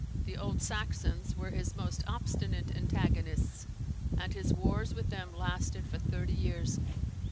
The old Saxons were his most obstinate antagonists, and his wars with them lasted for thirty years.